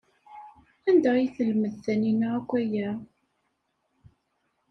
Anda ay telmed Taninna akk aya?